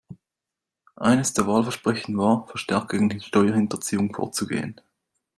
Eines der Wahlversprechen war, verstärkt gegen Steuerhinterziehung vorzugehen.